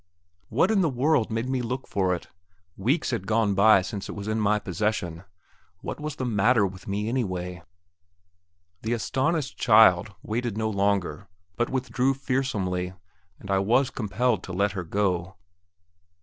What in the world made me look for it? Weeks had gone by since it was in my possession. What was the matter with me, anyway? The astonished child waited no longer, but withdrew fearsomely, and I was compelled to let her go.